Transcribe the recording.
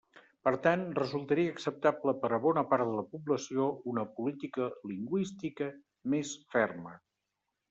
Per tant, resultaria acceptable per a bona part de la població una política lingüística més ferma.